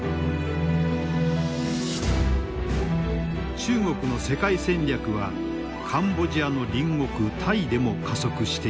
中国の世界戦略はカンボジアの隣国タイでも加速している。